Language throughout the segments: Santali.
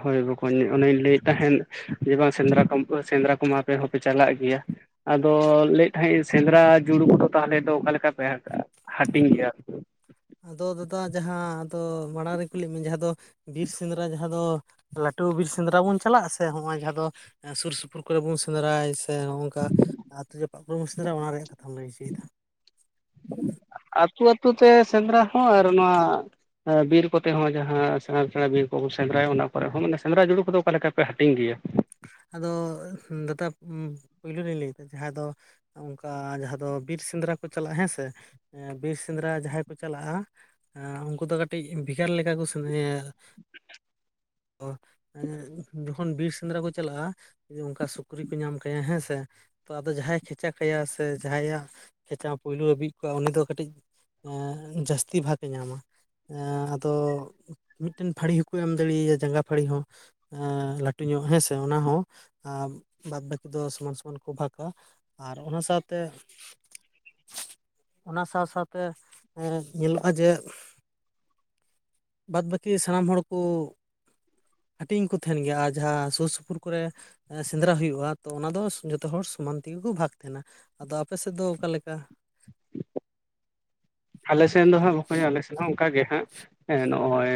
ᱦᱳᱭ ᱵᱚᱠᱚᱧ ᱚᱱᱮᱧ ᱞᱟᱹᱭᱮᱫ ᱛᱟᱦᱮᱸᱱ ᱦᱳᱭ ᱵᱟᱝ ᱥᱮᱸᱫᱽᱨᱟ ᱠᱚᱢ ᱯᱟᱹ ᱥᱮᱸᱫᱽᱨᱟ ᱠᱚᱢᱟ ᱯᱮ ᱦᱚᱸᱯᱮ ᱪᱟᱞᱟᱜ ᱜᱮᱭᱟᱼᱼ ᱟᱫᱚ ᱞᱟᱹᱭᱮᱫ ᱛᱟᱦᱮᱸᱜ ᱤᱧ ᱥᱮᱸᱫᱽᱨᱟ ᱡᱩᱲᱩ ᱠᱚᱫᱚ ᱛᱟᱦᱞᱮ ᱫᱚ ᱚᱠᱟ ᱞᱮᱠᱟ ᱯᱮ ᱟᱹᱜ ᱦᱟᱹᱴᱤᱧ ᱜᱮᱭᱟ? ᱟᱫᱚ ᱫᱟᱫᱟ ᱡᱟᱦᱟᱸ, ᱟᱫᱚ ᱢᱟᱲᱟᱝ ᱨᱤᱧ ᱠᱩᱞᱤᱜ ᱢᱤᱧ ᱡᱟᱦᱟᱸ ᱫᱚ ᱵᱤᱨ ᱥᱮᱸᱫᱽᱨᱟ ᱡᱟᱦᱟᱸ ᱫᱚ, ᱞᱟᱹᱴᱩ ᱵᱤᱨ ᱥᱮᱸᱫᱽᱨᱟ ᱵᱚᱱ ᱪᱟᱞᱟᱜ ᱟ ᱥᱮ ᱦᱚᱸᱜᱼᱚᱭ ᱡᱟᱦᱟᱸ ᱫᱚ ᱮᱸ ᱥᱩᱨ ᱥᱩᱯᱩᱨ ᱠᱚᱨᱮ ᱵᱚᱱ ᱥᱮᱸᱫᱽᱨᱟᱭ ᱥᱮ ᱱᱚᱜ-ᱱᱚᱝᱠᱟ ᱟᱛᱩ ᱡᱟᱯᱟᱜ ᱠᱩᱨᱩ ᱩᱢ [unintelligible] ᱥᱮᱨᱟ ᱭᱟ ᱚᱱᱟ ᱨᱮᱭᱟᱜ ᱠᱟᱛᱷᱟᱢ ᱞᱟᱹᱭ ᱦᱚᱪᱚᱭ ᱫᱟ? ᱟᱹᱛᱩ ᱟᱹᱛᱩ ᱛᱮ ᱥᱮᱸᱫᱽᱨᱟ ᱦᱚᱸ ᱟᱨ ᱚᱱᱟ ᱟᱸ ᱵᱤᱨ ᱠᱚ ᱛᱮ ᱦᱚᱸ ᱡᱟᱦᱟᱸ ᱥᱮᱬᱟ ᱥᱮᱬᱟ ᱵᱤᱨ ᱠᱚ ᱵᱚᱱ ᱥᱮᱸᱫᱽᱨᱟᱭᱟ ᱚᱱᱟ ᱠᱚᱨᱮ ᱦᱚᱸ ᱢᱟᱱᱮ ᱥᱮᱸᱫᱽᱨᱟ ᱡᱩᱲᱩ ᱠᱚᱫᱚ ᱚᱠᱟ ᱞᱮᱠᱟ ᱯᱮ ᱦᱟᱹᱴᱤᱧ ᱜᱮᱭᱟ? ᱟᱫᱚ ᱫᱟᱫᱟ ᱩᱢ ᱯᱩᱭᱞᱩᱨᱮᱧ ᱞᱟᱹᱭᱫᱟ ᱡᱟᱦᱟᱸ ᱫᱚ ᱚᱱᱠᱟ ᱡᱟᱦᱟᱸ ᱫᱚ ᱵᱤᱨ ᱥᱮᱸᱫᱽᱨᱟ ᱠᱚ ᱪᱟᱞᱟᱜᱼᱟ ᱦᱮᱸᱥᱮ, ᱮᱸ ᱵᱤᱨ ᱥᱮᱸᱫᱽᱨᱟ ᱡᱟᱦᱟᱸᱭ ᱠᱚ ᱪᱟᱞᱟᱜᱼᱟ ᱟᱸ ᱩᱱᱠᱩ ᱫᱚ ᱠᱟᱹᱴᱤᱡ ᱵᱷᱤᱜᱟᱨ ᱞᱮᱠᱟ ᱠᱚ [unintelligible] ᱚᱦ ᱮᱸᱻ ᱡᱚᱠᱷᱚᱱ ᱵᱤᱨ ᱥᱮᱸᱫᱽᱨᱟ ᱠᱚ ᱪᱟᱞᱟᱜᱼᱟ ᱡᱩᱫᱤ ᱚᱱᱠᱟ ᱥᱩᱠᱨᱤ ᱠᱚ ᱧᱟᱢ ᱠᱟᱭᱟ ᱦᱮᱸ ᱥᱮ ᱛᱚ ᱟᱫᱚ ᱡᱟᱦᱟᱸᱭ ᱠᱷᱮᱪᱟ ᱠᱟᱭᱟ ᱥᱮ ᱡᱟᱦᱟᱸᱭᱟᱜ ᱠᱷᱮᱪᱟ ᱯᱩᱭᱞᱩ ᱵᱤᱫ ᱠᱚᱜᱼᱟ ᱩᱱᱤ ᱫᱚ ᱠᱟᱹᱴᱤᱡ ᱟᱸᱻ ᱡᱟᱹᱥᱛᱤ ᱵᱟᱜᱽ ᱮ ᱧᱟᱢᱟ ᱾ ᱮᱸᱻ ᱟᱫᱚ ᱢᱤᱫᱴᱮᱱ ᱯᱷᱟᱹᱲᱤ ᱦᱚᱸ ᱠᱚ ᱮᱢ ᱫᱟᱲᱤᱭᱟ ᱡᱟᱸᱜᱟ ᱯᱷᱟᱹᱲᱤ ᱦᱚᱸ ᱾ ᱮᱸᱻ ᱞᱟᱹᱴᱩ ᱧᱚᱜ ᱦᱮᱸᱥᱮ ᱚᱱᱟ ᱦᱚᱸ, ᱟᱨ ᱵᱟᱫᱽ ᱵᱟᱹᱠᱤ ᱫᱚ ᱥᱚᱢᱟᱱ ᱥᱚᱢᱟᱱ ᱠᱚ ᱵᱷᱟᱠᱼᱟ ᱾ ᱟᱨ ᱚᱱᱟ ᱥᱟᱶᱛᱮ᱾ ᱚᱱᱟ ᱥᱟᱶ ᱥᱟᱶᱶᱛᱮ ᱛᱮ ᱮᱸ ᱧᱮᱞᱚᱜᱼᱟ ᱡᱮ᱾ ᱵᱟᱫᱽ ᱵᱟᱹᱠᱤ ᱥᱟᱱᱟᱢ ᱦᱚᱲ ᱠᱚ ᱦᱟᱹᱴᱤᱧ ᱠᱚ ᱛᱷᱟᱦᱮᱱ ᱜᱮᱭᱟ ᱟᱨ ᱡᱟᱦᱟᱸ ᱥᱩᱨ ᱥᱩᱯᱩᱨ ᱠᱚᱨᱮ᱾ ᱟᱸ ᱥᱮᱸᱫᱽᱨᱟ ᱦᱩᱭᱩᱜᱼᱟ ᱛᱚ ᱚᱱᱟ ᱫᱚ ᱡᱚᱛᱚ ᱦᱚᱲ ᱥᱚᱢᱟᱱ ᱛᱮᱜᱮ ᱠᱚ ᱵᱷᱟᱜᱽ ᱛᱷᱮᱱᱟ᱾ ᱟᱫᱚ ᱟᱯᱮ ᱥᱮᱫ ᱫᱚ ᱚᱠᱟᱞᱮᱠᱟ᱾ ᱟᱞᱮ ᱥᱮᱱ ᱫᱚ ᱦᱟᱸᱜ ᱵᱟᱠᱚ ᱟᱞᱮ ᱥᱮᱫ ᱦᱚᱸ ᱚᱱᱠᱟᱜ ᱜᱮ ᱦᱟᱸᱜ ᱱᱚᱜᱼᱚᱭ᱾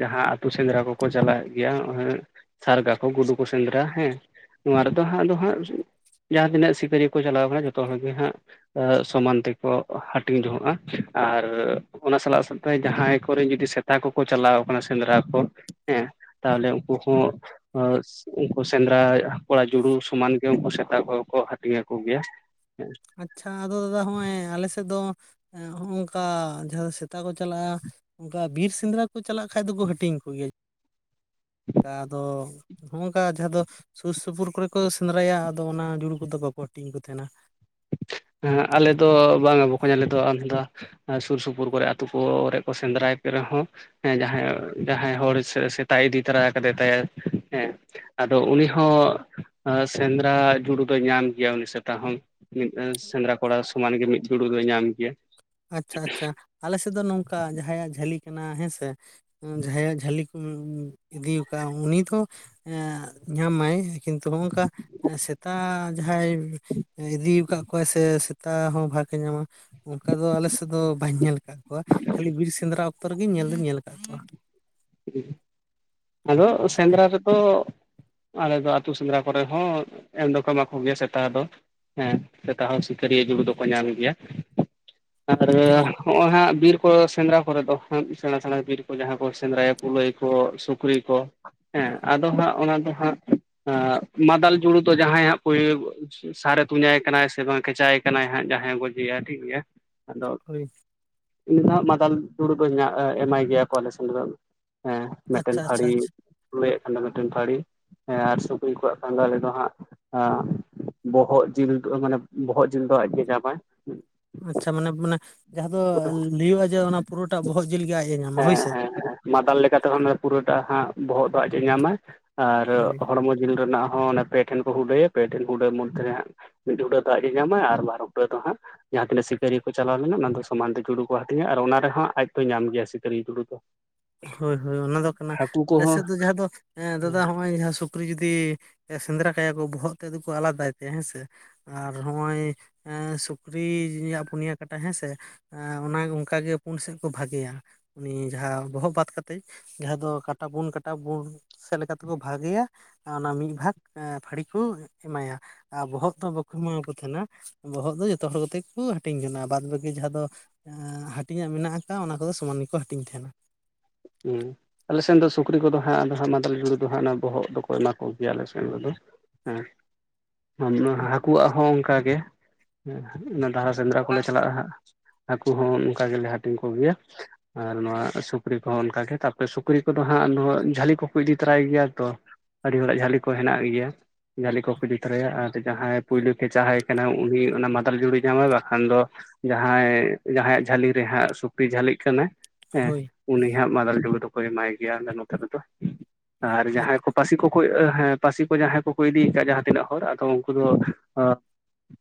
ᱡᱟᱦᱟᱸ ᱟᱹᱛᱩ ᱥᱮᱸᱫᱽᱨᱟ ᱠᱚᱠᱚ ᱪᱟᱞᱟᱣᱮᱫ ᱜᱮᱭᱟ ᱥᱟᱨᱜᱟ ᱠᱚ ᱜᱩᱰᱩ ᱠᱚ ᱥᱮᱸᱫᱽᱨᱟ ᱦᱮᱸ᱾ ᱱᱚᱣᱟ ᱨᱮᱫᱚ ᱦᱟᱸᱜ ᱟᱫᱚ ᱦᱟᱸᱜ᱾ ᱡᱟᱦᱟᱸ ᱛᱤᱱᱟᱹᱜ ᱥᱤᱯᱟᱹᱨᱤᱭᱟᱹ ᱠᱚ ᱪᱟᱞᱟᱣ ᱟᱠᱟᱱᱟ ᱡᱚᱛᱚ ᱦᱚᱲᱜ ᱜᱮ ᱦᱟᱸᱜ ᱥᱚᱢᱟᱱ ᱛᱮᱠᱚ ᱦᱟᱹᱴᱤᱧ ᱡᱚᱦᱚᱜᱼᱟ᱾ ᱟᱨ ᱚᱱᱟ ᱥᱟᱞᱟᱜ ᱥᱟᱶᱛᱮ ᱡᱟᱦᱟᱸᱭ ᱠᱚᱨᱮ ᱡᱫᱤ ᱥᱮᱛᱟ ᱠᱚᱠᱚ ᱪᱟᱞᱟᱣ ᱠᱟᱱᱟ ᱥᱮᱸᱫᱽᱨᱟ ᱠᱚ᱾ ᱦᱮᱸ ᱛᱟᱦᱞᱮ ᱩᱱᱠᱩ ᱦᱚᱸ᱾ ᱩᱱᱠᱩ ᱥᱮᱸᱫᱽᱨᱟ ᱠᱚᱲᱟ ᱡᱩᱲᱩ ᱥᱚᱢᱟᱱ ᱜᱮ ᱩᱱᱠᱩ ᱥᱮᱛᱟ ᱠᱚ ᱠᱚ ᱦᱟᱹᱴᱤᱧ ᱟᱠᱚ ᱜᱮᱭᱟ ᱦᱮᱸ᱾ ᱟᱪᱪᱷᱟ ᱟᱫᱚ ᱫᱟᱫᱟ ᱦᱚᱸᱜᱼᱚᱭ ᱟᱞᱮ ᱥᱮᱫ ᱫᱚ ᱱᱚᱜᱼ ᱱᱚᱝᱠᱟ ᱡᱟᱦᱟᱸ ᱥᱮᱛᱟ ᱠᱚ ᱪᱟᱞᱟᱜᱼᱟ᱾ ᱚᱱᱠᱟ ᱵᱤᱨ ᱥᱮᱸᱫᱽᱨᱟ ᱠᱚ ᱪᱟᱞᱟᱜ ᱠᱷᱟᱱᱡ ᱫᱚᱠᱚ ᱦᱟᱹᱴᱤᱧ ᱠᱚᱜᱮᱭᱟ᱾ ᱟᱫᱚ ᱦᱚᱸᱜᱼᱚ ᱚᱝᱠᱟ ᱡᱟᱦᱟᱸ ᱫᱚ ᱥᱩᱨ ᱥᱩᱯᱩᱨ ᱠᱚᱨᱮ᱾ ᱠᱚ ᱥᱮᱸᱫᱽᱨᱟᱭᱟ ᱟᱫᱚ ᱚᱱᱟ ᱡᱩᱲᱩ ᱠᱚᱫᱚ ᱵᱟᱠᱚ ᱦᱟᱹᱴᱤᱧ ᱟᱠ ᱠᱚ ᱛᱟᱦᱮᱱᱟ᱾ ᱦᱮᱸ ᱟᱞᱮ ᱫᱚ ᱵᱟᱝᱼᱟ ᱵᱚᱠᱚᱧ ᱟᱞᱮ ᱫᱚ ᱟᱞᱟᱫᱟ᱾ ᱥᱩᱨ ᱥᱩᱯᱩᱨ ᱠᱚᱨᱮ ᱟᱹᱛᱩ ᱠᱚ ᱚᱨᱮᱡ ᱠᱚ ᱥᱮᱸᱫᱽᱨᱟᱭ ᱠᱚ ᱨᱮᱦᱚᱸ᱾ ᱦᱮᱸ ᱡᱟᱦᱟᱸᱟᱭ ᱡᱟᱦᱟᱸᱭ ᱦᱚᱲ ᱥᱮᱛᱟᱭ ᱤᱫᱤ ᱛᱟᱨᱟ ᱠᱟᱫᱮ ᱛᱟᱭᱟ ᱦᱮᱸ᱾ ᱟᱫᱚ ᱩᱱᱤᱦ ᱥᱮᱸᱫᱽᱨᱟ ᱡᱩᱲᱩ ᱫᱚᱭ ᱧᱟᱢ ᱜᱮᱭᱟ ᱩᱱᱤ ᱥᱮᱛᱟ ᱦᱚᱸ᱾ ᱢᱤᱫ ᱥᱮᱸᱫᱽᱨᱟ ᱠᱚᱲᱟ ᱥᱚᱢᱟᱱ ᱜᱮ ᱢᱤᱫ ᱫᱩᱲᱩ ᱫᱚᱭ ᱧᱟᱢ ᱜᱮᱭᱟ᱾ ᱟᱪᱪᱷᱟ ᱟᱪᱪᱷᱟ ᱟᱞᱮ ᱥᱮᱫ ᱫᱚ ᱱᱚᱝᱠᱟ ᱡᱟᱦᱟᱸᱭᱟᱜ ᱡᱷᱟᱹᱞᱤ ᱠᱟᱱᱟ ᱦᱮᱸᱥᱮ᱾ ᱡᱟᱦᱟᱸᱭᱟᱜ ᱡᱷᱟᱹᱞᱤ ᱠᱚ ᱤᱫᱤ ᱟᱠᱟᱫ ᱩᱱᱤ ᱫᱚ᱾ ᱮᱜ ᱧᱟᱢ ᱢᱟᱭ ᱠᱤᱱᱛᱩ ᱱᱚᱝᱠᱟ ᱥᱮᱛᱟ ᱡᱟᱦᱟᱸᱭ᱾ ᱤᱫᱤ ᱟᱠᱟᱫ ᱠᱚᱣᱟᱭ ᱥᱮ ᱥᱮᱛᱟ ᱦᱚᱸ ᱵᱷᱟᱜᱽᱮ ᱧᱟᱢᱟ᱾ ᱚᱠᱟ ᱫᱚ ᱟᱞᱮᱥᱮᱫ ᱫᱚ ᱵᱟᱹᱧ ᱧᱮᱞ ᱟᱠᱟᱫ ᱠᱚᱣᱟ ᱠᱷᱟᱹᱞᱤ ᱵᱤᱨ ᱥᱮᱸᱫᱽᱨᱟ ᱚᱠᱛᱚ ᱨᱮᱜᱮ ᱧᱮᱞ ᱫᱩᱧ ᱧᱮᱞ ᱟᱠᱟᱫ ᱠᱚᱣᱟ᱾ ᱟᱫᱚ ᱥᱮᱸᱫᱽᱨᱟ ᱨᱮᱫᱚ᱾ ᱟᱞᱮ ᱫᱚ ᱟᱹᱛᱩ ᱥᱮᱸᱫᱽᱨᱟ ᱠᱚᱨᱮ ᱦᱚᱸ ᱮᱢ ᱫᱚᱚᱠᱢᱟ ᱠᱚᱜᱮᱭᱟ ᱥᱮᱛᱟ ᱫᱚ᱾ ᱦᱮᱸ ᱥᱮᱛᱟ ᱦᱚᱸ ᱥᱤᱠᱟᱹᱨᱤᱭᱟᱹ ᱡᱩᱲᱩ ᱫᱚᱠᱚ ᱧᱟᱢ ᱜᱮᱭᱟ᱾ ᱟᱨ ᱦᱚᱸᱜᱼᱚᱭ ᱦᱟᱸᱜ ᱵᱤᱨ ᱠᱚ ᱥᱮᱸᱫᱽᱨᱟ ᱠᱚᱨᱮ ᱫᱚ ᱥᱮᱬᱟ ᱥᱮᱬᱟ ᱵᱤᱨ ᱠᱚ ᱡᱟᱦᱟᱸ ᱠᱚ ᱥᱮᱸᱫᱽᱨᱟᱭᱟ᱾ ᱠᱩᱞᱟᱹᱭ ᱠᱚ ᱥᱩᱠᱨᱤ ᱠᱚ ᱦᱮᱸ ᱟᱫᱚ ᱦᱟᱸᱜ ᱚᱱᱟ ᱫᱚ ᱦᱟᱸᱜ᱾ ᱮ ᱢᱟᱫᱟᱞ ᱡᱩᱲᱩ ᱫᱚ ᱡᱟᱦᱟᱸᱭ ᱦᱟᱜᱭ ᱥᱟᱨᱮ ᱛᱩᱡᱟᱭ ᱠᱟᱱᱟᱭ ᱥᱮ ᱵᱟᱝ ᱠᱮᱪᱟᱭ ᱾ ᱠᱟᱱᱟᱭ ᱦᱟᱸᱜ ᱡᱟᱦᱟᱸᱭ ᱜᱚᱡᱭᱟ ᱴᱷᱤᱠ ᱜᱮᱮᱭᱟ ᱟᱫᱚ᱾ ᱦᱳᱭ ᱩᱱᱤ ᱫᱚᱜ ᱢᱟᱫᱟᱞ ᱫᱩᱲᱩ ᱠᱚ ᱮᱢᱟᱭ ᱜᱮᱭᱟ ᱠᱚᱞᱮᱡᱽᱱ ᱨᱮᱫᱚ᱾ ᱦᱮᱸ ᱢᱤᱫᱴᱮᱱ ᱟᱪᱪᱷᱟ ᱟᱪᱪᱷᱟ ᱯᱟᱹᱲᱤ ᱟᱪᱪᱷᱟ ᱞᱟᱹᱭᱮᱫ ᱠᱟᱱᱟ ᱢᱤᱫᱴᱮᱱ ᱯᱟᱹᱲᱤ᱾ ᱦᱮᱸ ᱟᱨ ᱥᱩᱠᱨᱤ ᱠᱚᱣᱟᱜ ᱠᱷᱟᱸᱫᱟ ᱨᱮᱫᱚ ᱦᱟᱸᱜ᱾ ᱟᱸ ᱵᱚᱦᱚᱜ ᱡᱤᱞ ᱫᱚ ᱢᱟᱱᱮ ᱵᱚᱦᱚᱜ ᱡᱤᱞ ᱫᱚ ᱟᱡᱜᱮ ᱧᱟᱢ ᱟᱭ᱾ ᱟᱪᱪᱷᱟ ᱢᱟᱱᱮ ᱢᱟᱱᱮ ᱡᱟᱦᱟᱸ ᱫᱚ ᱞᱟᱹᱭᱼᱟ ᱡᱮ ᱚᱱᱟ ᱯᱩᱨᱟᱹᱴᱟ ᱵᱚᱦᱚᱜ ᱡᱤᱞ ᱜᱮ ᱟᱡ ᱮ ᱧᱟᱢᱟ ᱦᱮᱸ ᱦᱳᱭᱥᱮ᱾ ᱦᱮᱸ ᱦᱮᱸ ᱢᱟᱫᱟᱞ ᱞᱮᱠᱟᱛᱮ ᱯᱩᱨᱟᱹᱴᱟ ᱦᱟᱸᱜ ᱵᱚᱦᱚᱜ ᱫᱚ ᱟᱡ ᱮ ᱧᱟᱢᱼᱟ᱾ ᱟᱨ ᱦᱳᱭ ᱦᱚᱲᱢᱚ ᱡᱤᱞ ᱨᱮᱱᱟᱜ ᱦᱚᱸ ᱯᱮ ᱴᱷᱮᱱ ᱠᱚ ᱩᱰᱟᱹᱭᱟ ᱯᱮ ᱴᱷᱮᱱ ᱠᱩᱰᱟᱹ ᱢᱚᱫᱽᱫᱷᱮ ᱨᱮ ᱦᱟᱸᱟᱜ᱾ ᱢᱤᱫ ᱦᱩᱰᱟᱹ ᱫᱚ ᱟᱡ ᱮ ᱧᱟᱢᱟᱭ ᱟᱨ ᱵᱟᱨ ᱦᱩᱰᱟᱹ ᱫᱚ ᱦᱟᱸᱜ ᱡᱟᱦᱟᱸ ᱛᱤᱱᱟᱹ ᱥᱤᱠᱟᱹᱨᱤᱭᱟᱹ ᱠᱚ ᱪᱟᱞᱟᱣ ᱞᱮᱱᱟ ᱚᱱᱟ ᱫᱚ᱾ ᱥᱚᱢᱟᱱ ᱛᱮ ᱡᱩᱲᱩ ᱠᱚ ᱦᱟᱴᱤᱧᱟ ᱟᱨ ᱚᱱᱟ ᱨᱮᱦᱚᱸ ᱟᱡ ᱫᱚ ᱧᱟᱢ ᱜᱮᱭᱟ ᱥᱤᱠᱟᱹᱨᱤᱭᱟᱹ ᱡᱩᱲᱩ ᱫᱚ᱾ ᱦᱳᱭ ᱦᱳᱭ ᱚᱱᱟ ᱫᱚ ᱠᱟᱱᱟ ᱦᱟᱹᱠᱩ ᱟᱞᱮ ᱠᱚᱦᱚᱸ ᱥᱮᱫ ᱫᱚ ᱡᱟᱦᱟᱸ ᱫᱚ ᱫᱟᱫᱟ ᱱᱚᱜᱼᱚᱭ ᱡᱟᱦᱟᱸ᱾ ᱥᱩᱠᱨᱤ ᱡᱩᱫᱤ ᱥᱮᱸᱫᱽᱨᱟ ᱠᱟᱭᱟ ᱠᱚ ᱵᱚᱦᱚᱜ ᱛᱮ ᱟᱞᱟᱫᱟᱭ ᱛᱮ ᱦᱮᱸ ᱥᱮ᱾ ᱟᱨ ᱱᱚᱜ-ᱚᱭ ᱥᱩᱠᱨᱤᱭᱟᱜ ᱯᱩᱱᱭᱟ ᱠᱟᱴᱟ ᱦᱮᱸᱥᱮ ᱮ ᱚᱱᱟ ᱚᱱᱠᱟᱜᱮ ᱯᱩᱱ ᱥᱮᱫ ᱠᱚ ᱵᱷᱟᱜᱮᱭᱟ ᱩᱱᱤ ᱡᱟᱦᱟᱸ ᱵᱚᱦᱚᱜ ᱵᱟᱫ ᱠᱟᱛᱮᱜ ᱡᱟᱦᱟᱸ ᱫᱚ ᱠᱟᱴᱟ ᱵᱚᱱ ᱠᱟᱴᱟ ᱵᱚᱱ ᱥᱮᱫ ᱞᱮᱠᱟᱛᱮᱠᱚ ᱵᱷᱟᱹᱜᱤᱭᱟ ᱚᱱᱟ ᱢᱤᱫ ᱵᱷᱟᱜᱽ ᱯᱟᱹᱲᱤ ᱠᱚ ᱮᱢᱟᱭᱟ ᱟᱨ ᱵᱚᱦᱚᱜ ᱛᱚ ᱵᱟᱠᱚ ᱮᱢᱟ ᱠᱚ ᱛᱟᱦᱮᱸᱱᱟ᱾ ᱵᱚᱦᱚᱜ ᱫᱚ ᱡᱚᱛᱚ ᱦᱚᱲ ᱠᱚᱛᱮ ᱜᱮ ᱠᱚ ᱦᱟᱹᱴᱤᱧ ᱡᱚᱱᱟ᱾ ᱵᱟᱫ ᱵᱟᱹᱠᱤ ᱡᱟᱦᱟᱸ ᱫᱚ ᱦᱟᱹᱴᱤᱧᱟᱜ ᱢᱮᱱᱟᱜ ᱟᱠᱟᱜᱟ ᱚᱱᱟ ᱠᱚᱫᱚ ᱥᱚᱢᱟᱱ ᱜᱮᱠᱚ ᱦᱟᱹᱴᱤᱧ ᱛᱟᱦᱮᱱᱟ᱾ ᱦᱩᱸ ᱟᱞᱮ ᱥᱮᱱ ᱫᱚ ᱥᱩᱠᱨᱤ ᱠᱚᱫᱚ ᱦᱟᱜ ᱟᱫᱚᱦᱟᱜ ᱢᱟᱫᱟᱞ ᱡᱩᱲᱩ ᱫᱚ ᱦᱟᱸᱜ ᱚᱱᱟ ᱵᱚᱦᱚᱜ ᱫᱚᱠᱚ ᱮᱢᱟ ᱠᱚᱜᱮᱭᱟ ᱟᱞᱮ ᱥᱮᱱ ᱨᱮᱫᱚ᱾ ᱦᱮᱸ ᱦᱟᱹᱠᱩᱣᱟᱜ ᱦᱚᱸ ᱚᱱᱠᱟᱜᱮ᱾ ᱦᱮᱸ ᱚᱱᱟ ᱫᱷᱟᱨᱟ ᱥᱮᱸᱫᱽᱨᱟ ᱠᱚᱞᱮ ᱪᱟᱞᱟᱜ-ᱟ ᱦᱟᱸᱜ ᱟᱹᱠᱩ ᱦᱚᱸ ᱚᱱᱠᱟ ᱜᱮᱞᱮ ᱦᱟᱹᱴᱤᱧ ᱠᱚᱜᱮᱭᱟ ᱟᱨ ᱱᱚᱣᱟ ᱥᱩᱠᱨᱤ ᱠᱚ ᱛᱚ ᱚᱱᱠᱟᱜᱮ ᱛᱟᱯᱚᱨᱮ ᱥᱩᱠᱨᱤ ᱠᱚᱫᱚ ᱦᱟᱸᱜ ᱡᱷᱟᱹᱞᱤ ᱠᱚᱠᱚ ᱤᱫᱤ ᱛᱚᱨᱟᱭ ᱜᱮᱭᱟ ᱛᱚ᱾ ᱟᱹᱰᱤ ᱦᱚᱲᱟᱜ ᱡᱷᱟᱹᱞᱤ ᱠᱚ ᱦᱮᱱᱟᱜ ᱜᱮᱭᱟ᱾ ᱡᱷᱟᱞᱤ ᱠᱚᱠᱚ ᱤᱫᱤ ᱛᱚᱨᱟᱭᱟ ᱟᱨ ᱡᱟᱦᱟᱸᱭ ᱯᱳᱭᱞᱳ ᱠᱷᱮᱪᱟ ᱦᱟᱭ ᱠᱟᱱᱟᱭ ᱩᱱᱤ ᱚᱱᱟ ᱢᱟᱫᱟᱞ ᱡᱩᱲᱩᱭ ᱧᱟᱢᱟᱭ ᱵᱟᱠᱷᱟᱱ ᱫᱚ ᱡᱟᱦᱟᱸᱭ ᱡᱟᱦᱟᱸᱭᱟᱜ ᱡᱷᱟᱹᱞᱤ ᱨᱮᱦᱟᱸᱜ ᱥᱩᱠᱨᱤ ᱡᱷᱟᱹᱞᱤᱜ ᱠᱟᱱᱟᱭ ᱮᱜ ᱦᱳᱭ ᱩᱱᱤ ᱦᱟᱸᱜ ᱢᱟᱫᱟᱞ ᱡᱩᱱᱩ ᱫᱚᱠᱚ ᱮᱢᱟᱭ ᱜᱮᱭᱟ ᱱᱚᱛᱮ ᱨᱮᱫᱚ᱾ ᱟᱨ ᱡᱟᱦᱟᱸᱭ ᱠᱚ ᱯᱟᱹᱥᱤ ᱠᱚᱠᱚ ᱦᱮᱸ ᱯᱟᱹᱥᱤ ᱠᱚ ᱡᱟᱦᱟᱸᱭ ᱠᱚᱠᱚ ᱤᱫᱤ ᱟᱠᱟᱫ ᱡᱟᱦᱟᱸ ᱛᱤᱱᱟᱹᱜ ᱦᱚᱲ ᱟᱫᱚ ᱩᱱᱠᱩ ᱫᱚ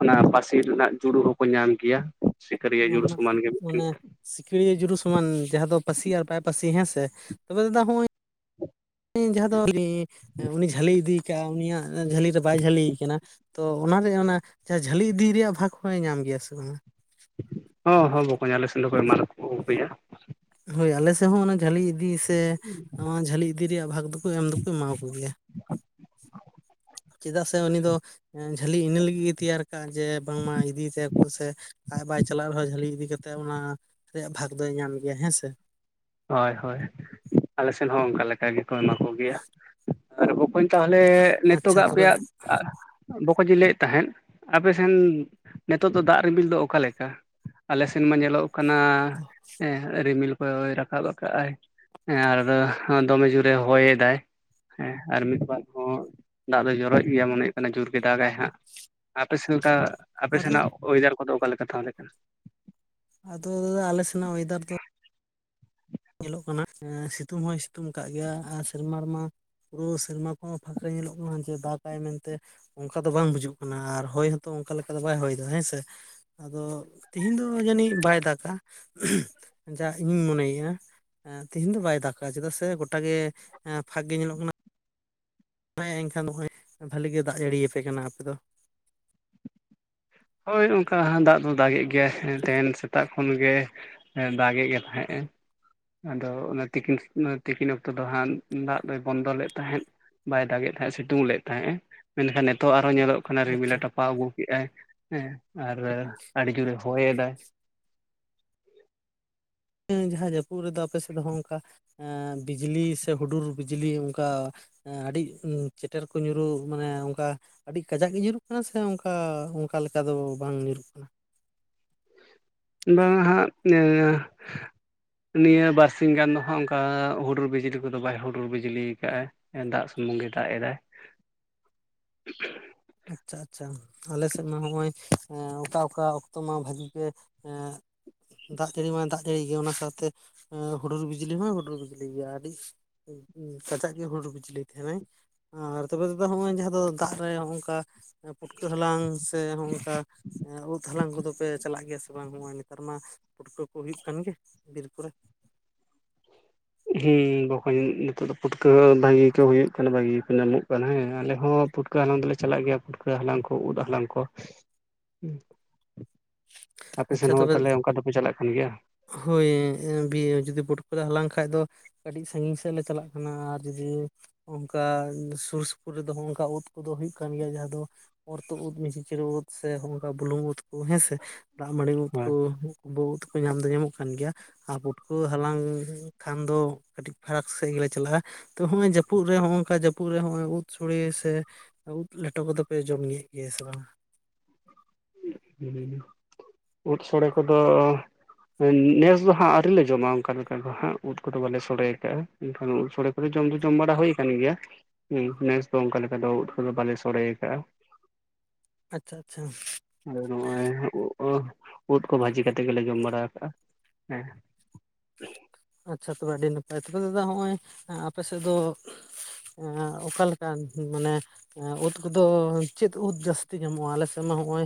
ᱚᱱᱟ ᱯᱟᱹᱥᱤ ᱨᱮᱱᱟᱜ ᱡᱩᱲᱩ ᱦᱚᱸᱠᱚ ᱧᱟᱢ ᱜᱮᱭᱟ᱾ ᱥᱤᱠᱟᱹᱨᱤᱭᱟᱹ ᱡᱩᱲᱩ ᱥᱚᱢᱟᱱ ᱜᱮ ᱢᱤᱫᱴᱤᱱ ᱥᱤᱠᱟᱹᱲᱤᱭᱟ ᱡᱩᱞᱩ ᱥᱚᱢᱟᱱ ᱡᱟᱦᱟᱸ ᱫᱚ ᱯᱟᱹᱥᱤ ᱟᱨ ᱵᱟᱭ ᱯᱟᱹᱥᱤ ᱦᱮᱸᱥᱮ ᱛᱚᱵᱮ ᱫᱟᱫᱟ ᱱᱚᱜ-ᱚᱭ ᱧ ᱡᱟᱦᱟᱸ ᱫᱚ [inaudible] ᱩᱱᱤ ᱡᱷᱟᱹᱞᱤ ᱤᱫᱤᱭ ᱠᱟᱜ-ᱟ ᱩᱱᱤᱭᱟᱜ ᱡᱷᱟᱹᱞᱤ ᱨᱮ ᱵᱟᱭ ᱡᱷᱟᱹᱞᱤᱭ ᱠᱟᱱᱟ ᱛᱚ ᱚᱱᱟᱨᱮ ᱚᱱᱟ ᱡᱟᱦᱟᱸ ᱡᱷᱟᱹᱞᱤ ᱤᱫᱤ ᱨᱮᱭᱟᱜ ᱵᱷᱟᱜᱽ ᱦᱚᱸᱭ ᱧᱟᱢ ᱜᱮᱭᱟ ᱥᱮ ᱵᱟᱝᱟ? ᱦᱚᱸ ᱦᱚᱸ ᱵᱟᱠᱚᱧ ᱟᱞᱮ ᱥᱮᱱ ᱫᱚᱠᱚ ᱮᱢᱟᱱᱠᱚ ᱟᱹᱜᱩᱭᱟ᱾ ᱦᱳᱭ ᱟᱞᱮ ᱥᱮᱫ ᱦᱚᱸ ᱚᱱᱟ ᱡᱷᱟᱹᱞᱤ ᱤᱫᱤ ᱥᱮ ᱱᱚᱣᱟ ᱡᱷᱟᱹᱞᱤ ᱤᱫᱤ ᱨᱮᱭᱟᱜ ᱵᱷᱟᱜ ᱫᱚᱠᱚ ᱮᱢ ᱫᱚᱠᱚ ᱮᱢᱟ ᱠᱚ ᱜ. ᱮᱭᱟ᱾ ᱪᱮᱫᱟᱜ ᱥᱮ ᱩᱱᱤ ᱫᱚ ᱡᱷᱟᱹᱞᱤ ᱤᱱᱟᱹ ᱞᱟᱹᱜᱤᱫ ᱜᱮ ᱛᱮᱭᱟᱨ ᱠᱟᱜ-ᱟ ᱡᱮ ᱵᱟᱝᱢᱟ ᱤᱫᱤᱭ ᱛᱟᱭᱟᱠᱚ ᱥᱮ ᱟᱡ ᱵᱟᱭ ᱪᱟᱞᱟᱜ ᱨᱮᱦᱚᱸ ᱡᱷᱟᱹᱞᱤ ᱤᱫᱤ ᱠᱟᱛᱮᱜ ᱚᱱᱟ ᱨᱮᱭᱟᱜ ᱵᱷᱟᱜᱽ ᱫᱚᱭ ᱧᱟᱢ ᱜᱮᱭᱟ ᱦᱮᱸᱥᱮ᱾ ᱦᱳᱭ ᱦᱳᱭ᱾ ᱟᱞᱮ ᱥᱮᱫ ᱦᱚᱸ ᱚᱱᱠᱟ ᱞᱮᱠᱟ ᱜᱮᱠᱚ ᱮᱢᱟ ᱠᱚᱜᱮᱭᱟ᱾ ᱟᱨ ᱵᱚᱠᱚᱧ ᱛᱟᱦᱚᱞᱮ ᱟᱪᱪᱷᱟ ᱱᱤᱛᱚᱜ ᱛᱚᱵᱮ ᱯᱮᱭᱟᱜ ᱟᱜ, ᱵᱚᱠᱚᱧ ᱤᱧ ᱞᱟᱹᱭᱮᱫ ᱛᱟᱦᱮᱸᱫ᱾ ᱟᱯᱮᱥᱮᱱ ᱱᱤᱛᱚᱜ ᱫᱚ ᱫᱟᱜ ᱨᱤᱨᱤᱞ ᱫᱚ ᱚᱠᱟᱮᱠᱟ? ᱟᱞᱮ ᱥᱮᱱᱢᱟ ᱧᱮᱞᱚᱜ ᱠᱟᱱᱟ ᱨᱤᱢᱤᱞ ᱠᱚᱭ ᱨᱟ ᱠᱟᱵ ᱟᱠᱟᱜ ᱟᱭ᱾ ᱟᱨ ᱫᱚᱢᱮ ᱡᱳᱨᱮ ᱦᱚᱭᱮᱫᱟᱭ᱾ ᱦᱮᱸ ᱟᱨ ᱢᱤᱫ ᱵᱟᱨ ᱦᱚᱸ ᱫᱟᱜ ᱫᱚ ᱡᱚᱨᱚ ᱮᱫ ᱜᱮᱭᱟ ᱢᱚᱱᱮ ᱦᱩᱭᱩᱜ ᱠᱟᱱᱟ ᱡᱳᱨ ᱜᱮ ᱫᱟᱜᱟᱭ ᱦᱟᱸᱜ᱾ ᱟᱯᱮᱥᱮᱱᱫᱟ ᱟᱯᱮ ᱟᱫᱚ ᱥᱮᱱᱟᱜ ᱚᱭᱮᱫᱟᱨ ᱠᱚᱫᱚ ᱚᱠᱟᱞᱮᱠᱟ ᱛᱟᱦᱞᱮ ᱠᱟᱱᱟ? ᱟᱫᱚ ᱫᱟᱫᱟ ᱟᱞᱮ ᱥᱮᱱᱟᱜ ᱚᱭᱮᱫᱟᱨ ᱫᱚ ᱧᱮᱞᱚᱜ ᱠᱟᱱᱟ ᱥᱤᱛᱩᱝ ᱦᱚᱸᱭ ᱥᱤᱛᱩᱝ ᱟᱠᱟᱫ ᱜᱮᱭᱟ ᱟᱨ ᱥᱮᱨᱢᱟ ᱨᱮᱢᱟ ᱯᱩᱨᱟᱹ ᱥᱮᱨᱢᱟ ᱠᱚ ᱦᱚᱸ ᱯᱷᱟᱸᱠᱟ ᱧᱮᱞᱚᱜ ᱠᱟᱱᱟ᱾ ᱡᱮ ᱫᱟᱜᱟᱭ ᱢᱮᱱᱛᱮ ᱚᱱᱠᱟ ᱫᱚ ᱵᱟᱝ ᱵᱩᱡᱩᱜ ᱠᱟᱱᱟ᱾ ᱟᱨ ᱦᱚᱭ ᱦᱚᱝᱛᱚ ᱚᱱᱠᱟ ᱞᱮᱠᱟ ᱫᱚ ᱵᱟᱭ ᱦᱚᱭᱮᱫᱟ ᱦᱮᱸᱥᱮ᱾ ᱟᱫᱚ ᱛᱮᱤᱦᱮᱤᱧ ᱫᱚ ᱡᱟᱹᱱᱤᱡ ᱵᱟᱭ ᱫᱟᱜᱟ ᱡᱟ ᱤᱧᱤᱧ ᱢᱚᱱᱮᱭᱮᱫᱼᱟ᱾ ᱮ ᱛᱮᱦᱤᱧ ᱫᱚ ᱵᱟᱭ ᱫᱟᱜ-ᱟ᱾ ᱪᱮᱫᱟᱜ ᱥᱮ ᱜᱚᱴᱟ ᱜᱮ ᱯᱷᱟᱸᱠ ᱜᱮ ᱧᱮᱞᱚᱜ ᱠᱟᱱᱟ᱾ ᱮᱸ ᱮᱱᱠᱷᱟᱱ ᱵᱚᱠᱚᱧ ᱵᱟᱹᱞᱤ ᱜᱮ ᱫᱟᱜ ᱡᱟᱹᱲᱤᱭᱟᱯᱮ ᱠᱟᱱᱟ ᱟᱯᱮ ᱫᱚ᱾ ᱦᱳᱭ ᱚᱱᱠᱟ ᱫᱟᱜ ᱫᱚ ᱫᱟᱜᱮᱫ ᱜᱮᱭᱟ ᱛᱮᱦᱮᱱ ᱥᱮᱛᱟᱜ ᱠᱷᱚᱱ ᱜᱮ᱾ ᱮ ᱫᱟᱜᱮᱫ ᱜᱮ ᱛᱟᱦᱮᱸᱜ ᱮ ᱾ ᱟᱫᱚ ᱚᱱᱟ ᱛᱤᱠᱤᱱ ᱛᱤᱠᱤᱱ ᱚᱠᱛᱚ ᱫᱚ ᱦᱟᱸᱜ ᱫᱟᱜ ᱫᱚᱭ ᱵᱚᱱᱫᱚ ᱞᱮᱫ ᱛᱟᱦᱮᱸᱫ᱾ ᱵᱟᱭ ᱫᱟᱜ ᱮ ᱛᱟᱦᱮᱸᱜ᱾ ᱥᱤᱛᱩᱝ ᱞᱮᱫ ᱛᱟᱦᱮᱸᱜ ᱢᱮᱱᱠᱷᱟᱱ ᱱᱤᱛᱚᱜ ᱟᱨ ᱦᱚᱝ ᱧᱮᱞᱚᱜ ᱚᱱᱟ ᱟᱪᱪᱷᱟ ᱨᱤᱢᱤᱞ‌ᱮ ᱴᱟᱯᱟᱣ ᱟᱹᱜᱩ ᱠᱮᱜ-ᱟᱭ᱾ ᱦᱮᱸ ᱟᱨ ᱟᱹᱰᱤ ᱡᱳᱨᱮ ᱦᱚᱭᱮᱫᱟᱭ᱾ ᱦᱮᱸ ᱡᱟᱦᱟᱸ ᱡᱟᱹᱯᱩᱫ ᱨᱮᱫᱚ ᱟᱯᱮ ᱥᱮᱫ ᱦᱚᱸ ᱚᱱᱠᱟ ᱵᱤᱡᱽᱞᱤ ᱥᱮ ᱦᱩᱰᱩᱨ ᱵᱤᱡᱽᱞᱤ ᱚᱱᱠᱟ᱾ ᱟᱹᱰᱤ ᱪᱮᱴᱮᱨ ᱠᱚ ᱧᱩᱨᱩᱜ ᱢᱟᱱᱮ ᱚᱱᱠᱟ ᱟᱹᱰᱤ ᱠᱟᱡᱟᱠ ᱜᱮ ᱧᱩᱨᱩᱜ ᱠᱟᱱᱟ ᱥᱮ ᱚᱱᱠᱟ ᱚᱱᱠᱟ ᱞᱮᱠᱟ ᱫᱚ ᱵᱟᱝ ᱧᱩᱨᱩᱜ ᱠᱟᱱᱟ? ᱵᱟᱝ ᱦᱟᱸᱜ ᱱᱤᱭᱟᱹ ᱵᱟᱨᱥᱤᱝ ᱜᱟᱱ ᱫᱚ ᱦᱟᱸᱜ ᱚᱱᱠᱟ ᱦᱩᱰᱩᱨ ᱵᱤᱡᱽᱞᱤ ᱠᱚᱫᱚ ᱵᱟᱭ ᱦᱩᱰᱩᱨ ᱵᱤᱡᱽᱞᱤ ᱟᱠᱟᱫ-ᱟ᱾ ᱫᱟᱜ ᱥᱩᱢᱩᱝ ᱜᱮ ᱫᱟᱜ ᱮᱫᱟᱭ, [inaudible] ᱟᱪᱪᱷᱟ ᱟᱪᱪᱷᱟ᱾ ᱟᱞᱮ ᱥᱮᱫ ᱢᱟ ᱱᱚᱜ-ᱚᱭ ᱚᱠᱟ ᱚᱠᱟ ᱚᱠᱛᱚ ᱢᱟ ᱵᱷᱟᱜᱤ ᱜᱮ ᱮᱸᱻ ᱫᱟᱜ ᱡᱟᱹᱲᱤ ᱢᱟᱭ ᱫᱟᱜ ᱡᱟᱹᱲᱤ ᱜᱮ ᱚᱱᱟ ᱥᱟᱶᱛᱮ ᱦᱩᱰᱩᱨ ᱵᱤᱡᱽᱞᱤ ᱦᱚᱸᱭ ᱦᱩᱰᱩᱨ ᱵᱤᱡᱽᱞᱤ ᱜᱮᱭᱟ ᱟᱹᱰᱤ ᱠᱷᱟᱡᱟᱜ ᱜᱮ ᱦᱩᱰᱩ ᱵᱤᱡᱽᱞᱤ ᱛᱟᱦᱮᱸ ᱱᱟᱭ᱾ ᱟᱨ ᱛᱚᱵᱮ ᱫᱟᱫᱟ ᱦᱚᱸᱜ-ᱚᱭ ᱡᱟᱦᱟᱸ ᱫᱚ ᱫᱟᱜ ᱨᱮ ᱯᱩᱴᱠᱟᱹ ᱦᱟᱞᱟᱝ ᱥᱮ ᱱᱚᱝᱠᱟ ᱩᱫ ᱦᱟᱞᱟᱝ ᱠᱚᱫᱚᱯᱮ ᱪᱟᱞᱟᱜ ᱜᱮᱭᱟ ᱥᱮ ᱵᱟᱝ? ᱱᱚᱜ-ᱚᱭ ᱱᱮᱛᱟᱨ ᱢᱟ ᱯᱩᱴᱠᱟᱹ ᱠᱚ ᱦᱩᱭᱩᱜ ᱠᱟᱱ ᱜᱮ ᱵᱤᱨ ᱠᱚᱨᱮ᱾ ᱦᱮᱸ ᱵᱚᱠᱚᱧ ᱱᱤᱛᱚᱜ ᱫᱚ ᱯᱩᱴᱠᱟᱹ ᱵᱷᱟᱹᱜᱮ ᱠᱚ ᱦᱩᱭᱩᱜ ᱠᱟᱱᱟ ᱵᱷᱟᱹᱜᱤ ᱠᱚ ᱧᱟᱢᱚᱜ ᱠᱟᱱᱟ ᱦᱮᱸ ᱟᱞᱮ ᱦᱚᱸ ᱯᱩᱴᱠᱟᱹ ᱯᱩᱴᱠᱟᱹ ᱦᱟᱞᱟᱝ ᱫᱚᱞᱮ ᱪᱟᱞᱟᱜ ᱜᱮᱭᱟ ᱯᱩᱴᱠᱟᱹ ᱦᱟᱞᱟᱝ ᱠᱚ ᱩᱫ ᱦᱟᱞᱟᱝ ᱠᱚ ᱟᱯᱮ ᱥᱮᱱ ᱟᱪᱪᱷᱟ ᱦᱚᱸ ᱛᱚᱵᱮ ᱛᱟᱦᱚᱞᱮ ᱚᱱᱠᱟ ᱫᱚᱯᱮ ᱪᱟᱞᱟᱜ ᱠᱟᱱ ᱜᱮᱭᱟ? ᱦᱳᱭ ᱡᱩᱫᱤ [unintelligible] ᱯᱩᱴᱠᱟᱹ ᱞᱮ ᱦᱟᱞᱟᱝ ᱠᱷᱟᱱᱡ ᱫᱚ᱾ ᱠᱟᱹᱴᱤᱡ ᱥᱟᱺᱜᱤᱧ ᱥᱮᱫ ᱞᱮ ᱪᱟᱞᱟᱜ ᱠᱟᱱᱟ, ᱟᱨ ᱡᱩᱫᱤ ᱚᱱᱠᱟ ᱥᱩᱨ ᱥᱩᱯᱩᱨ ᱨᱮᱫᱚ ᱚᱱᱠᱟ ᱩᱫ ᱠᱚᱫᱚ ᱦᱩᱭᱩᱜ ᱠᱟᱱ ᱜᱮᱭᱟ, ᱡᱟᱦᱟᱸ ᱫᱚ ᱚᱨᱛᱩᱚ ᱩᱫ, ᱢᱤᱥᱤᱪᱤᱨ ᱩᱫ, ᱥᱮ ᱦᱚᱝᱠᱟ ᱵᱩᱞᱩᱝ ᱩᱫ ᱠᱚ ᱦᱮᱸᱥᱮ ᱫᱟᱜ ᱢᱟᱹᱰᱤ ᱩᱫ ᱠᱚ᱾ ᱦᱳᱭ [unintelligible] ᱧᱟᱢ ᱫᱚ ᱧᱟᱢᱚᱜ ᱠᱟᱱ ᱜᱮᱭᱟ᱾ ᱟᱨ ᱯᱩᱴᱠᱟᱹ ᱦᱟᱞᱟᱝ ᱠᱷᱟᱱ ᱫᱚ ᱠᱟᱹᱴᱤᱡ ᱯᱷᱟᱨᱟᱠ ᱥᱮᱫ ᱜᱮᱞᱮ ᱪᱟᱞᱟᱜ-ᱟ, ᱛᱚ ᱱᱚᱜ-ᱚᱭ ᱡᱟᱹᱯᱩᱫ ᱨᱮ ᱱᱚᱜ ᱱᱚᱝᱠᱟ ᱡᱟᱹᱯᱩᱫ ᱨᱮ ᱱᱚᱜᱚᱭ ᱩᱫ ᱥᱳᱲᱮ ᱥᱮ ᱩᱫ ᱞᱮᱴᱚ ᱠᱚᱫᱚ ᱯᱮ ᱡᱚᱢ ᱮᱫ ᱜᱮᱭᱟ ᱥᱮ ᱵᱟᱝ? ᱩᱫ ᱥᱳᱲᱮ ᱠᱚᱫᱚ ᱱᱮᱥ ᱫᱚ ᱦᱟᱸᱜ ᱟᱹᱣᱨᱤᱮ ᱞᱮ ᱡᱚᱢᱟ ᱚᱱᱠᱟ ᱞᱮᱠᱟ ᱫᱚ ᱦᱟᱸᱜ ᱩᱫ ᱠᱚᱫᱚ ᱵᱟᱞᱮ ᱥᱚᱲᱮᱭ ᱠᱟᱜ-ᱟ᱾ ᱮᱱᱠᱷᱟᱱ ᱥᱳᱲᱮ ᱠᱚᱫᱚ ᱡᱚᱢ ᱫᱚ ᱡᱚᱢ ᱵᱟᱲᱟ ᱦᱩᱭᱩ ᱟᱠᱟᱱ ᱜᱮᱭᱟ᱾ ᱱᱮᱥ ᱫᱚ ᱚᱱᱠᱟ ᱫᱚ ᱚᱱᱠᱟ ᱞᱮᱠᱟ ᱫᱚ ᱵᱟᱞᱮ ᱥᱚᱲᱮ ᱠᱟᱜ-ᱟ᱾ ᱟᱪᱪᱷᱟ ᱟᱪᱪᱷᱟ᱾ ᱟᱫᱚ ᱱᱚᱜᱼᱚᱭ ᱩ ᱩᱫ ᱠᱚ ᱵᱷᱟᱹᱡᱤ ᱠᱟᱛᱮᱫ ᱜᱮᱞᱮ ᱡᱚᱢ ᱵᱟᱲᱟ ᱟᱠᱟᱜ-ᱟ, ᱦᱮᱸ ᱟᱪᱪᱷᱟ ᱛᱚᱵᱮ ᱟᱹᱰᱤ ᱱᱟᱯᱟᱭ ᱛᱚᱵᱮ ᱫᱟᱫᱟ ᱱᱚᱜ-ᱚᱭ ᱟᱯᱮ ᱥᱮᱫ ᱫᱚ ᱚᱠᱟ ᱞᱮᱠᱟ ᱢᱟᱱᱮ ᱩᱫ ᱠᱚᱫᱚ ᱪᱮᱫ ᱩᱫ ᱡᱟᱹᱥᱛᱤ ᱧᱟᱢᱚᱜ-ᱟ, ᱟᱞᱮ ᱥᱮᱫ ᱢᱟ ᱱᱚᱜ-ᱚᱭ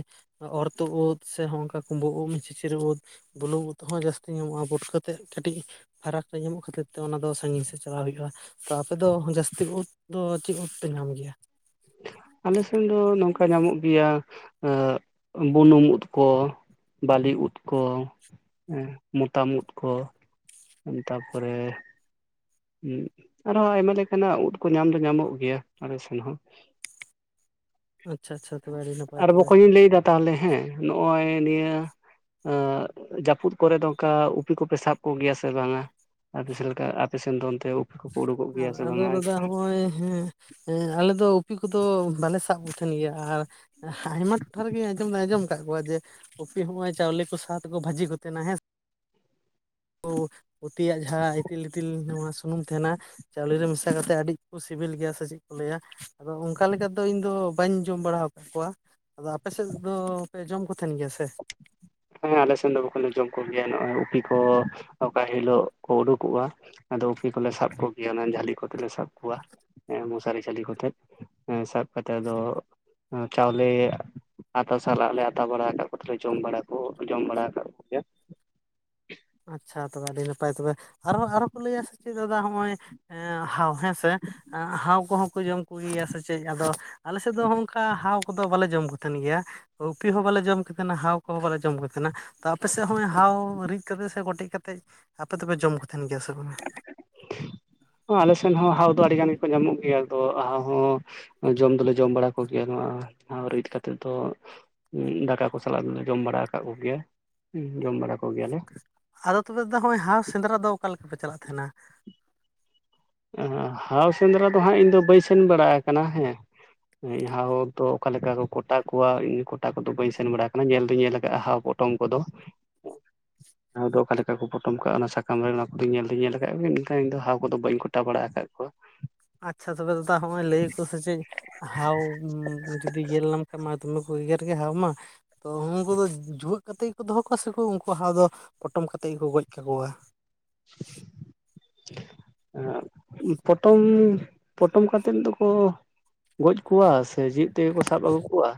ᱚᱨᱛᱚ ᱩᱫ ᱥᱮ ᱦᱚᱝᱠᱟ ᱠᱩᱸᱵᱟᱹ ᱩᱫ ᱪᱤᱪᱨ ᱩᱫ, ᱵᱩᱞᱩᱝ ᱩᱫ ᱦᱚᱸ ᱡᱟᱹᱥᱛᱤ ᱧᱟᱢᱚᱜ-ᱟ ᱯᱩᱴᱠᱟᱹ ᱛᱮᱫ ᱠᱟᱹᱴᱤᱡ ᱯᱷᱟᱨᱟᱠ ᱨᱮ ᱧᱟᱢᱚᱜ ᱠᱷᱟᱹᱛᱤᱨ ᱛᱮ ᱚᱱᱟ ᱫᱚ ᱥᱟᱺᱜᱤᱧ ᱥᱮᱫ ᱪᱟᱞᱟᱜ ᱦᱩᱭᱩᱜ-ᱟ᱾ ᱛᱚ ᱟᱯᱮ ᱫᱚ ᱡᱟᱹᱥᱛᱤ ᱩᱫ ᱫᱚ ᱪᱮᱫ ᱩᱫ ᱯᱮ ᱧᱟᱢ ᱜᱮᱭᱟ? ᱟᱞᱮ ᱥᱮᱫ ᱫᱚ ᱱᱚᱝᱠᱟ ᱧᱟᱢᱚᱜ ᱜᱮᱭᱟ ᱵᱩᱱᱩᱢ ᱩᱫ ᱠᱚ, ᱵᱟᱹᱞᱤ ᱩᱫ ᱠᱚ ᱢᱚᱛᱟᱢ ᱩᱫ ᱠᱚ᱾ ᱛᱟᱯᱚᱨᱮ ᱟᱨᱦᱚᱸ ᱟᱭᱢᱟ ᱞᱮᱠᱟᱱᱟᱜ ᱩᱫ ᱠᱚ ᱧᱟᱢ ᱫᱚ ᱧᱟᱢᱚᱜ ᱜᱮᱭᱟ ᱟᱞᱮ ᱥᱮᱱ ᱦᱚᱸ᱾ ᱟᱪᱪᱷᱟ ᱟᱪᱪᱷᱟ ᱛᱚᱵᱮ ᱟᱹᱰᱤ ᱱᱟᱯᱟᱭ ᱟᱨ ᱛᱚᱵᱮ ᱵᱚᱠᱚᱧ ᱤᱧ ᱞᱟᱹᱭᱫᱟ ᱛᱟᱦᱞᱮ ᱦᱮᱸ ᱱᱚᱜ-ᱚᱭ ᱱᱤᱭᱟᱹ ᱡᱟᱹᱯᱩᱫ ᱠᱚᱨᱮ ᱫᱚ ᱚᱱᱠᱟ ᱩᱯᱤ ᱠᱚᱯᱮ ᱥᱟᱵ ᱠᱚᱜᱮᱭᱟ ᱥᱮ ᱵᱟᱝᱟ ᱟᱨ ᱵᱮᱥ ᱞᱮᱠᱟ? ᱥᱮᱱ ᱫᱚᱱ ᱚᱱᱛᱮ ᱠᱚᱠᱚ ᱩᱰᱩᱠᱚᱜ ᱟ ᱜᱮᱭᱟ ᱥᱮ ᱟᱫᱚ ᱵᱟᱝᱟ? ᱫᱟᱫᱟ ᱦᱚᱸᱜ-ᱚᱭ ᱦᱮᱸ ᱦᱮᱸ ᱟᱞᱮ ᱫᱚ ᱩᱯᱤ ᱠᱚᱫᱚ ᱵᱟᱞᱮ ᱥᱟᱵ ᱠᱚ ᱛᱟᱦᱮᱱ ᱜᱮᱭᱟ᱾ ᱟᱨ ᱦᱟᱭᱢᱟ ᱴᱚᱴᱷᱟ ᱨᱮᱜᱮ ᱟᱸᱡᱚᱢ ᱫᱚ ᱟᱸᱡᱚᱢ ᱠᱟᱫ ᱠᱚᱣᱟ ᱡᱮ ᱩᱯᱤ ᱦᱚᱸᱜᱚᱭ ᱪᱟᱣᱞᱮ ᱠᱚ ᱥᱟ ᱛᱮᱠᱚ ᱵᱷᱟᱹᱡᱤ ᱠᱚ ᱛᱟᱦᱮᱱᱟ ᱦᱮᱸ᱾ ᱠᱩ ᱯᱩᱛᱤᱭᱟᱜ ᱡᱟᱦᱟᱸ ᱤᱛᱤᱞ ᱞᱤᱛᱤᱞ ᱱᱚᱣᱟ ᱥᱩᱱᱩᱢ ᱛᱟᱦᱮᱱᱟ ᱪᱟᱣᱞᱮ ᱨᱮ ᱢᱮᱥᱟ ᱠᱟᱛᱮᱫ ᱟᱹᱰᱤ ᱠᱚ ᱥᱤᱵᱤᱞ ᱜᱮᱭᱟ ᱥᱮ ᱪᱮᱫ ᱠᱚ ᱞᱟᱹᱭᱟ, ᱟᱫᱚ ᱚᱱᱠᱟ ᱞᱮᱠᱟ ᱫᱚ ᱤᱧᱫᱚ ᱵᱟᱹᱧ ᱡᱚᱢ ᱵᱟᱲᱟ ᱟᱠᱟᱫ ᱠᱚᱣᱟ᱾ ᱟᱫᱚ ᱟᱯᱮ ᱥᱮᱫ ᱫᱚ ᱯᱮ ᱡᱚᱢ ᱠᱚ ᱛᱟᱦᱮᱱ ᱜᱮᱭᱟ ᱥᱮ? ᱦᱮᱸ ᱦᱮᱸ ᱟᱞᱮᱥᱮᱱ ᱫᱚ ᱵᱟᱠᱚ ᱞᱮ ᱡᱚᱢ ᱠᱚᱜᱮᱭᱟ, ᱱᱚᱜᱚᱭ ᱩᱯᱤ ᱠᱚ ᱚᱠᱟ ᱦᱤᱞᱳᱜ ᱠᱚ ᱩᱰᱩᱠᱚᱜᱼᱟ᱾ ᱟᱫᱚ ᱩᱯᱤ ᱠᱚᱞᱮ ᱥᱟᱵ ᱠᱚᱜᱮᱭᱟ ᱚᱱᱟ ᱡᱷᱟᱹᱞᱤ ᱠᱚᱛᱮ ᱞᱮ ᱥᱟᱵ ᱠᱚᱣᱟ ᱦᱮᱸ ᱢᱚᱥᱟᱨᱤ ᱡᱷᱟᱹᱞᱤ ᱠᱚᱛᱮ᱾ ᱦᱮᱸ ᱥᱟᱵᱛᱮᱫ ᱟᱫᱚ ᱟ ᱪᱟᱣᱞᱮ ᱟᱛᱟ ᱥᱟᱞᱟᱜ ᱞᱮ ᱟᱛᱟ ᱵᱟᱲᱟ ᱟᱠᱟᱫ ᱠᱚᱛᱮ ᱞᱮ ᱡᱚᱢ ᱵᱟᱲᱟ ᱠᱚ ᱡᱚᱢ ᱵᱟᱲᱟ ᱟᱠᱟᱫ ᱠᱚᱣᱟ᱾ ᱟᱪᱪᱷᱟ, ᱛᱚᱵᱮ ᱟᱹᱰᱤ ᱱᱟᱯᱟᱭ ᱛᱚᱵᱮ ᱟᱨᱦ ᱟᱨᱚ ᱠᱚ ᱞᱟᱹᱭᱟ ᱥᱮ ᱪᱮᱫ ᱫᱟᱫᱟ ᱱᱚᱜᱼᱚᱭ ᱮ ᱦᱟᱣ ᱦᱮᱸ ᱥᱮ᱾ ᱦᱟᱣ ᱠᱚᱦᱚᱸ ᱠᱚ ᱡᱚᱢ ᱠᱚᱜᱮᱭᱟ ᱥᱮ ᱪᱮᱫ ᱟᱫᱚ ᱟᱞᱮ ᱥᱮᱫ ᱫᱚ ᱦᱚᱸ-ᱚᱝᱠᱟ ᱦᱟᱣ ᱠᱚᱫᱚ ᱵᱟᱞᱮ ᱡᱚᱢ ᱠᱚ ᱛᱟᱦᱮᱱ ᱜᱮᱭᱟ᱾ ᱩᱯᱤ ᱦᱚᱸ ᱵᱟᱞᱮ ᱡᱚᱢ ᱠᱮᱛᱮᱱᱟ, ᱦᱟᱣ ᱠᱚᱦᱚᱸ ᱵᱟᱞᱮ ᱡᱚᱢ ᱠᱚ ᱛᱟᱦᱮᱱᱟ, ᱛᱚ ᱟᱯᱮᱥᱮᱫ ᱦᱚᱸᱜ-ᱚᱭ ᱦᱟᱣ ᱨᱤᱫ ᱠᱟᱹᱛᱮ ᱥᱮ ᱠᱚᱴᱮᱡ ᱠᱟᱛᱮᱫ ᱟᱯᱮ ᱫᱚᱯᱮ ᱡᱚᱢ ᱠᱚ ᱛᱟᱦᱮᱱ ᱜᱮᱭᱟ ᱥᱮ ᱵᱟᱝᱟ? ᱟᱞᱮ ᱥᱮᱱ ᱦᱚᱸ ᱦᱟᱣ ᱫᱚ ᱟᱹᱰᱤ ᱜᱟᱱ ᱜᱮᱠᱚ ᱧᱟᱢᱚᱜ ᱜᱮᱭᱟ᱾ ᱟᱫᱚ ᱦᱟᱣ ᱦᱚᱸ ᱡᱚᱢ ᱫᱚᱞᱮ ᱡᱚᱢ ᱵᱟᱲᱟ ᱠᱚ ᱜᱮᱭᱟ ᱱᱚᱣᱟ ᱦᱟᱣ ᱨᱤᱫ ᱠᱟᱛᱮᱜ ᱫᱚ᱾ ᱫᱟᱠᱟ ᱠᱚ ᱥᱟᱞᱟᱜ ᱫᱚᱞᱮ ᱡᱚᱢ ᱵᱟᱲᱟ ᱟᱠᱟᱫ ᱠᱚᱜᱮᱭᱟ᱾ ᱦᱩᱸ ᱡᱚᱢ ᱵᱟᱲᱟ ᱠᱚ ᱜᱮᱭᱟᱞᱮ᱾ ᱟᱫᱚ ᱛᱚᱵᱮ ᱫᱟᱫᱟ ᱦᱚᱜᱼᱚᱭ ᱦᱟᱳ ᱥᱮᱸᱫᱽᱨᱟ ᱫᱚ ᱚᱠᱟ ᱞᱮᱠᱟᱯᱮ ᱪᱟᱞᱟᱜ ᱛᱟᱦᱮᱱᱟ? ᱮᱸ ᱦᱟᱣ ᱥᱮᱸᱫᱽᱨᱟ ᱫᱚ ᱦᱟᱸᱜ ᱤᱧ ᱫᱚ ᱵᱟᱹᱧ ᱥᱮᱱ ᱵᱟᱲᱟ ᱟᱠᱟᱱᱟ ᱦᱮᱸ᱾ ᱟᱹᱡ ᱦᱟᱣ ᱫᱚ ᱚᱠᱟ ᱞᱮᱠᱟ ᱠᱚ ᱠᱚᱴᱟ ᱠᱚᱣᱟ, ᱤᱧ ᱠᱚᱴᱟ ᱠᱚᱫᱚ ᱵᱟᱹᱧ ᱥᱮᱱ ᱵᱟᱲᱟ ᱟᱠᱟᱱᱟ ᱧᱮᱞ ᱫᱚᱧ ᱧᱮᱞ ᱟᱠᱟᱜᱼᱟ ᱦᱟᱣ ᱯᱚᱴ ᱴᱚᱝ ᱠᱚᱫᱚ᱾ [inaudible] ᱦᱟᱣ ᱫᱚ ᱚᱠᱟ ᱞᱮᱠᱟ ᱠᱚ ᱯᱚᱴᱚᱢ ᱠᱟᱜ-ᱟ, ᱚᱱᱟ ᱥᱟᱠᱟᱢ ᱨᱮ ᱱᱚᱣᱟ ᱠᱚᱫᱚ ᱧᱮᱞ ᱫᱩᱧ ᱧᱮᱞ ᱟᱠᱟᱜ ᱜᱮ ᱮᱱᱠᱷᱟᱱ ᱤᱧ ᱫᱚ ᱦᱟᱣ ᱠᱚᱫᱚ ᱵᱟᱹᱧ ᱠᱚᱴ ᱴᱟ ᱵᱟᱲᱟ ᱟᱠᱟᱫ ᱠᱚᱣᱟ᱾ ᱟᱪᱪᱷᱟ ᱛᱚᱵᱮ ᱫᱟᱫᱟ ᱦᱚᱸᱜ-ᱚᱭ ᱞᱟᱹᱭᱟᱠᱚ ᱥᱮ ᱪᱮᱫ ᱦᱟᱣ ᱫᱤ ᱜᱮᱨ ᱞᱮᱢ ᱠᱷᱟᱱ ᱢᱟ ᱫᱚᱢᱮ ᱠᱚ ᱜᱮᱜᱮᱨ ᱜᱮ ᱦᱟᱣ ᱢᱟ᱾ ᱛᱚ ᱦᱩᱱᱠᱩ ᱫᱚ ᱡᱩᱣᱟᱹᱜ ᱠᱟᱛᱮᱫ ᱜᱮᱠᱚ ᱫᱚᱦᱚ ᱠᱚᱣᱟ ᱥᱮᱠᱚ ᱩᱱᱠᱩ ᱦᱟᱣ ᱫᱚ ᱯᱚᱴᱚᱢ ᱠᱟᱛᱮ ᱜᱮᱠᱚ ᱜᱚᱡ ᱠᱟᱠᱚᱣᱟ? [inaudible] ᱯᱚᱴᱚᱢ ᱯᱚᱴᱚᱢ ᱠᱟᱛᱮᱫ ᱫᱚᱠᱚ ᱜᱚᱡ ᱠᱚᱣᱟ ᱥᱮ ᱡᱮᱣᱮᱫ ᱛᱮᱜᱮ ᱠᱚ ᱥᱟᱵ ᱟᱹᱜᱩ ᱠᱚᱣᱟ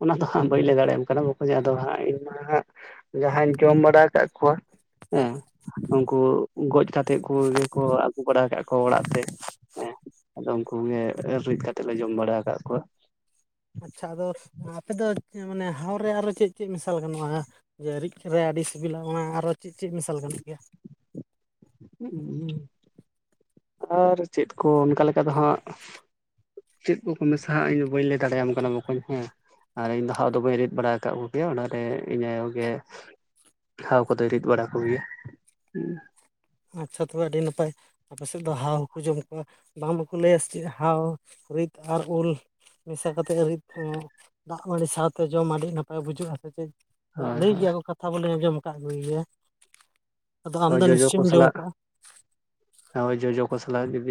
ᱚᱱᱟ ᱫᱚ ᱦᱟᱸᱜ ᱵᱟᱹᱧ ᱞᱟᱹᱭ ᱫᱟᱲᱮᱭᱟᱢ ᱠᱟᱱᱟ ᱵᱟᱠᱚᱧ ᱟᱫᱚ ᱦᱟᱸᱜ ᱤᱧ ᱢᱟ ᱦᱟᱸᱜ ᱡᱟᱦᱟᱸᱧ ᱡᱚᱢ ᱵᱟᱲᱟ ᱠᱟᱜ ᱠᱩᱣᱟ, ᱮᱸ ᱩᱱᱠᱩ ᱜᱚᱡ ᱠᱟᱛ ᱛᱮᱫ ᱠᱚ ᱜᱮᱠᱚ ᱵᱟᱲᱟ ᱠᱟᱫ ᱠᱚᱣᱟ ᱚᱲᱟᱜ ᱛᱮ, ᱦᱮᱸ ᱟᱫᱚ ᱩᱱᱠᱩ ᱜᱮ ᱨᱤᱫ ᱠᱟᱛᱮ ᱞᱮ ᱡᱚᱢ ᱵᱟᱲᱟ ᱟᱠᱟᱫ ᱠᱚᱣᱟ᱾ ᱟᱪᱪᱷᱟ ᱟᱫᱚ ᱟᱯᱮᱫ ᱫᱚ ᱢᱟᱱᱮ ᱦᱟᱣ ᱨᱮ ᱟᱨᱚ ᱪᱮᱫ ᱪᱮᱫ ᱢᱮᱥᱟᱞ ᱜᱟᱱᱚᱜᱼᱟ᱾ ᱡᱮ ᱨᱤᱡ ᱨᱮ ᱟᱹᱰᱤ ᱥᱤᱵᱤᱞᱟ ᱚᱱᱟ ᱟᱨᱚ ᱪᱮᱫ ᱪᱮᱫ ᱢᱮᱥᱟᱞ ᱜᱟᱱᱚᱜ ᱜᱮᱭᱟ? ᱟᱨ ᱪᱮᱫ ᱠᱚ ᱚᱱᱠᱟ ᱞᱮᱠᱟ ᱫᱚ ᱦᱟᱸᱜ ᱪᱮᱫ ᱠᱚᱠᱚ ᱢᱮᱥᱟᱦᱟᱜᱼᱟ ᱤᱧᱫᱚ ᱵᱟᱹᱧ ᱞᱟᱹᱭ ᱫᱟᱲᱮᱭᱟᱢ ᱠᱟᱱᱟ ᱵᱚᱠᱚᱧ ᱦᱮᱸ᱾ ᱟᱨ ᱤᱧ ᱫᱚ ᱦᱟᱣ ᱫᱚ ᱵᱟᱹᱧ ᱨᱤᱫᱽ ᱵᱟᱲᱟ ᱟᱠᱟᱫ ᱠᱚᱜᱮᱭᱟ ᱚᱱᱟ ᱨᱮ ᱤᱧ ᱟᱭᱳ ᱜᱮ ᱦᱟᱣ ᱠᱚᱫᱚᱭ ᱨᱤᱫ ᱵᱟᱲᱟ ᱠᱚᱜᱮᱭᱟ ᱦᱩᱸ᱾ ᱟᱪᱪᱷᱟ ᱛᱚᱵᱮ ᱟᱹᱰᱤ ᱱᱟᱯᱟᱭ᱾ ᱟᱯᱮ ᱥᱮᱫ ᱫᱚ ᱦᱟᱣ ᱦᱚᱸᱠᱚ ᱡᱚᱢ ᱠᱚᱣᱟ᱾ ᱵᱟᱝᱢᱟ ᱠᱚ ᱞᱟᱹᱭᱟ ᱥᱮ ᱪᱮᱫ ᱦᱟᱣ ᱨᱤᱫ ᱟᱨ ᱩᱞ ᱢᱮᱥᱟ ᱠᱟᱛᱮᱫ ᱜᱮ ᱨᱤᱫᱽ ᱚᱸ ᱫᱟᱜ ᱢᱟᱹᱰᱤ ᱥᱟᱶᱛᱮ ᱡᱚᱢ ᱟᱹᱰᱤ ᱱᱟᱯᱟᱭ ᱵᱩᱡᱚᱩᱜᱼᱟ ᱥᱮ ᱪᱮᱫ᱾ ᱦᱳᱭ ᱞᱟᱹᱭ ᱜᱮᱭᱟ ᱠᱚ ᱠᱟᱛᱷᱟ ᱵᱚᱞᱮ ᱟᱸᱡᱚᱢ ᱟᱠᱟᱫ ᱠᱩᱜᱮ ᱜᱮᱭᱟ᱾ ᱟᱫᱚ ᱟᱢ ᱦᱳᱭ ᱫᱚ ᱡᱚᱡᱚ ᱱᱤᱥᱪᱚ ᱠᱚ ᱥᱟᱞᱟᱜ᱾ ᱦᱳᱭ ᱡᱚᱡᱚ ᱠᱚ ᱥᱟᱞᱟᱜ ᱡᱩᱫᱤ